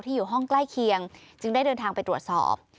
อยู่ห้องใกล้เคียงจึงได้เดินทางไปตรวจสอบ